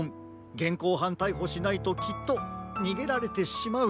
げんこうはんたいほしないときっとにげられてしまう。